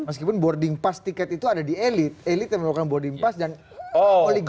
meskipun boarding pass tiket itu ada di elit elit yang melakukan boarding pass dan oligarki